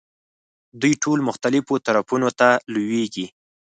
دوی ټول مختلفو طرفونو ته لویېږي.